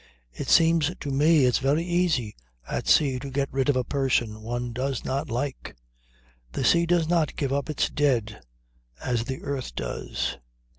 It seems to me it's very easy at sea to get rid of a person one does not like. The sea does not give up its dead as the earth does."